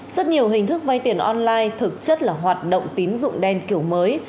rất nhiều hình thức vay tiền online thực chất là hoạt động tín dụng đen kiểu mới